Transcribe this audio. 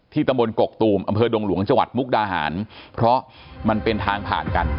ตำบลกกตูมอำเภอดงหลวงจังหวัดมุกดาหารเพราะมันเป็นทางผ่านกัน